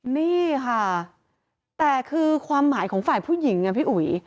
นี่ค่ะแต่คือความหมายของฝ่ายผู้หญิงพี่อุ๋ย